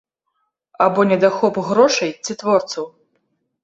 Або недахоп грошай ці творцаў?